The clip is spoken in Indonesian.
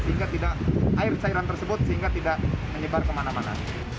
sehingga air cairan tersebut tidak menyebar kemana mana